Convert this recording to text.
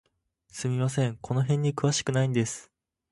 すみません、この辺に詳しくないんです。